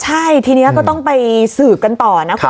ใช่ทีนี้ก็ต้องไปสืบกันต่อนะคุณ